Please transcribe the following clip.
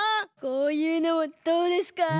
こういうのはどうですか？